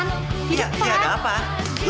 nggak di depan